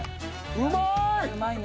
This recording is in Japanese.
うまい！